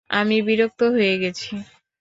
আমি বিরক্ত হয়ে গেছি।